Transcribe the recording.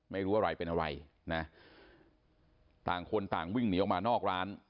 ไม่รู้อะไรเป็นอะไรนะต่างคนต่างวิ่งหนีออกมานอกร้าน